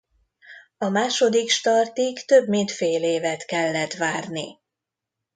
A második startig több mint fél évet kellett várni.